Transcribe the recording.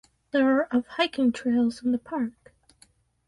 There are of hiking trails in the park.